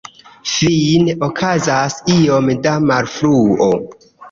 Fine, okazas iom da malfruo.